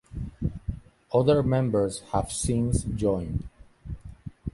Other members have since joined.